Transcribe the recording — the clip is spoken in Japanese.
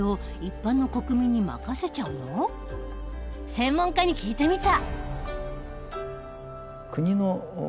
専門家に聞いてみた。